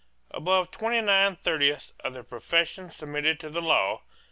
Above twenty nine thirtieths of the profession submitted to the law.